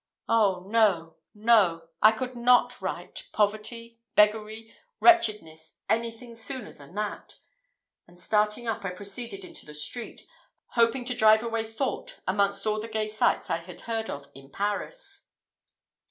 Oh! no, no! I could not write poverty, beggary, wretchedness, anything sooner than that; and starting up, I proceeded into the street, hoping to drive away thought amongst all the gay sights I had heard of in Paris.